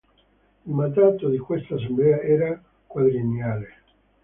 Il mandato di queste assemblee era quadriennale.